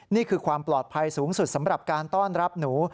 นี่คือความปลอดภัยสูงสุดสำหรับการต้อนรับหนู